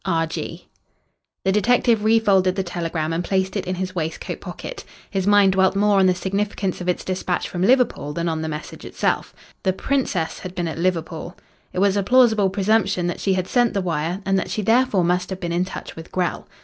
R. G." The detective refolded the telegram and placed it in his waistcoat pocket. His mind dwelt more on the significance of its dispatch from Liverpool than on the message itself. The Princess had been at Liverpool. It was a plausible presumption that she had sent the wire and that she therefore must have been in touch with Grell.